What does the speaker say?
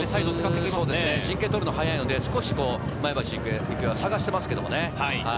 陣形をとるのが速いので前橋育英は探していますけどね。